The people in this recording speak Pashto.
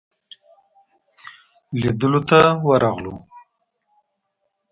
لیدلو ته ورغلو.